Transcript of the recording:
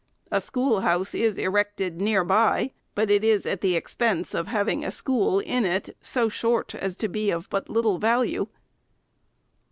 A schoolhouse is erected near by, but it is at the expense of having a school in it, so short, as to be of but little value.